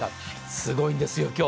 すごいんですよ、今日。